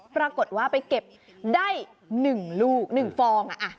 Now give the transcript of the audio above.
ปรากฏว่าไปเก็บได้หนึ่งลูกหนึ่งฟอง